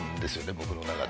僕の中で。